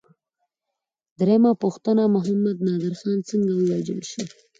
درېمه پوښتنه: محمد نادر خان څنګه ووژل شو؟